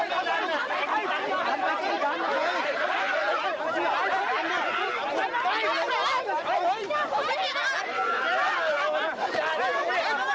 กลับมาลองกลับพอมาลองกลับ